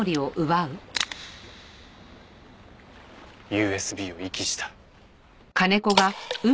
ＵＳＢを遺棄した。